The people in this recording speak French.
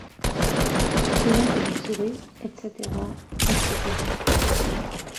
Selon que vous serez, etc., etc.